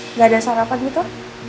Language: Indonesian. nggak ada sarapan gitu